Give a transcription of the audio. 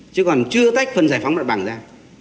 chứ còn chưa tách phần giải phóng mặt bằng ra